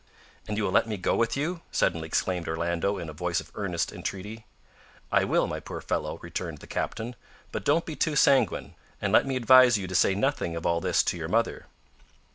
"And you will let me go with you?" suddenly exclaimed Orlando, in a voice of earnest entreaty. "I will, my poor fellow," returned the captain; "but don't be too sanguine; and let me advise you to say nothing of all this to your mother."